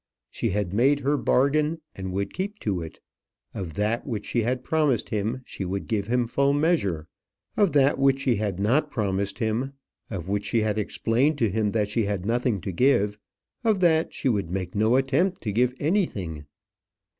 She had made her bargain, and would keep to it. Of that which she had promised him, she would give him full measure; of that which she had not promised him of which she had explained to him that she had nothing to give of that she would make no attempt to give anything.